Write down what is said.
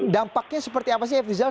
dampaknya seperti apa sih efri zal